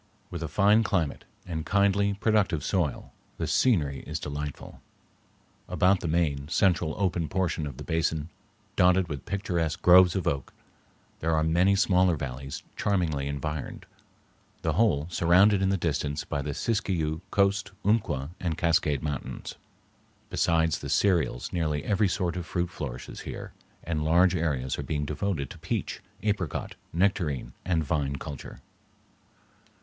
With a fine climate, and kindly, productive soil, the scenery is delightful. About the main, central open portion of the basin, dotted with picturesque groves of oak, there are many smaller valleys charmingly environed, the whole surrounded in the distance by the Siskiyou, Coast, Umpqua, and Cascade Mountains. Besides the cereals nearly every sort of fruit flourishes here, and large areas are being devoted to peach, apricot, nectarine, and vine culture.